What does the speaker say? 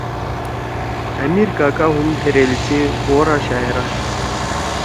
آمیر کاگا ہُم دیریل غورا شاعر آشُو۔